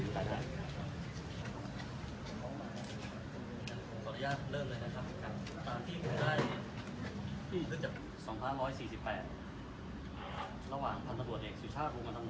พลังอันดรมสร้างบินของปฏิบัติและื่อเทลปศัตริย์เศรษฐ์